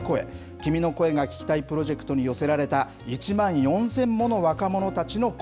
君の声が聴きたいプロジェクトに寄せられた、１万４０００もの若者たちの声。